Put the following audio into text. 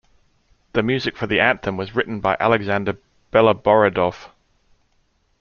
The music for the anthem was written by Alexander Beloborodov.